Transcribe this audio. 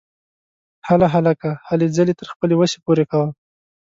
هله هلکه ! هلې ځلې تر خپلې وسې پوره کوه!